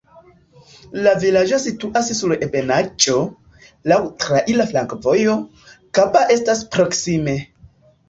La vilaĝo situas sur ebenaĵo, laŭ traira flankovojo, Kaba estas proksime.